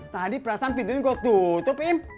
tadi perasan pintunya gue tutup im